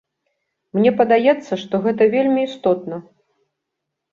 Мне падаецца, што гэты вельмі істотна.